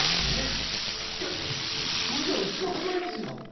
えっいやそれではうちが困りますよ。